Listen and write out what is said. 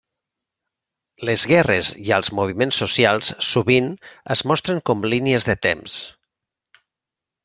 Les guerres i els moviments socials sovint es mostren com línies de temps.